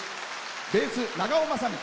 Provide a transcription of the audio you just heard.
ベース、長尾雅道。